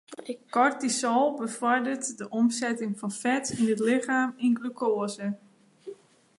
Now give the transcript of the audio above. Kortisol befoarderet de omsetting fan fet yn it lichem yn glukoaze.